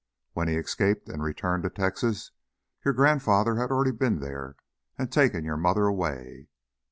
When he escaped and returned to Texas, your grandfather had already been there and taken your mother away.